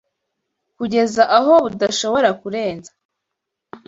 kugeza aho budashobora kurenza